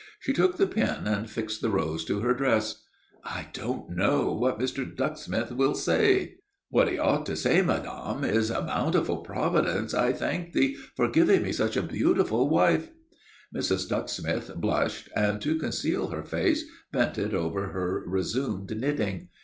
She took the pin and fixed the rose to her dress. "I don't know what Mr. Ducksmith will say." "What he ought to say, madame, is 'Bountiful Providence, I thank Thee for giving me such a beautiful wife.'" Mrs. Ducksmith blushed and, to conceal her face, bent it over her resumed knitting.